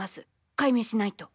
解明しないと。